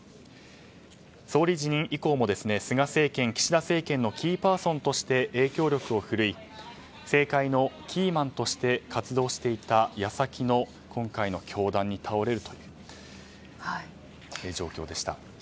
総理辞任以降も菅政権、岸田政権のキーパーソンとして影響力を振るい政界のキーマンとして活動していた矢先の今回の凶弾に倒れるという状況でした。